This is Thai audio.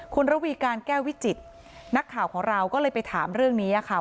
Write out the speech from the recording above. คุณระวีการแก้ววิจิตรนักข่าวของเราก็เลยไปถามเรื่องนี้ค่ะ